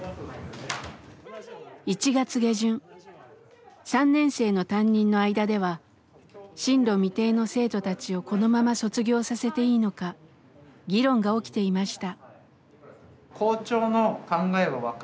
１月下旬３年生の担任の間では進路未定の生徒たちをこのまま卒業させていいのか議論が起きていました。